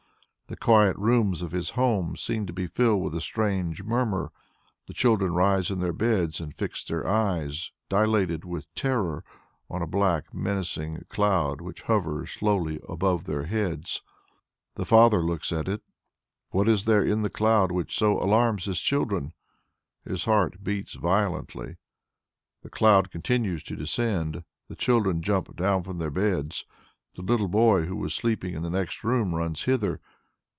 The quiet rooms of his home seem to be filled with a strange murmur. The children rise in their beds and fix their eyes, dilated with terror, on a black menacing cloud which hovers slowly above their heads. The father looks at it. What is there in the cloud which so alarms his children? His heart beats violently. The cloud continues to descend. The children jump down from their beds. The little boy who was sleeping in the next room runs hither.